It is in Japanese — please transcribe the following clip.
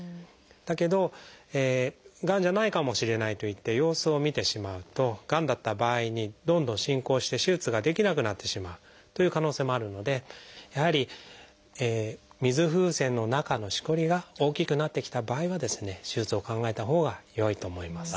だけどがんじゃないかもしれないといって様子を見てしまうとがんだった場合にどんどん進行して手術ができなくなってしまうという可能性もあるのでやはり水風船の中のしこりが大きくなってきた場合はですね手術を考えたほうがよいと思います。